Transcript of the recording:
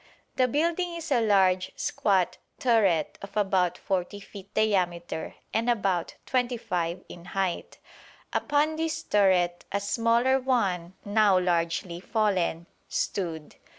The building is a large squat turret of about 40 feet diameter and about 25 in height. Upon this turret a smaller one, now largely fallen, stood.